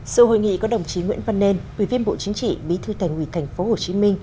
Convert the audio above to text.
sự hội nghị có đồng chí nguyễn văn nên quý viên bộ chính trị bí thư tài nguyện tp hcm